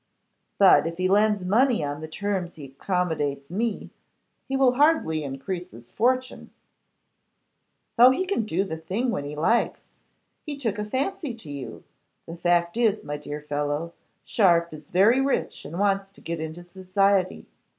'But if he lends money on the terms he accommodates me, he will hardly increase his fortune.' 'Oh! he can do the thing when he likes. He took a fancy to you. The fact is, my dear fellow, Sharpe is very rich and wants to get into society.